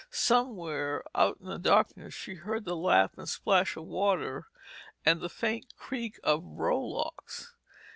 Somewhere out in the darkness she heard the lap and plash of water and the faint creak of rowlocks.